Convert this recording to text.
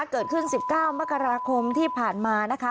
เกิดขึ้น๑๙มกราคมที่ผ่านมานะคะ